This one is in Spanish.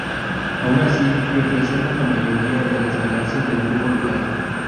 Aun así, representan la mayoría de las galaxias del Grupo Local.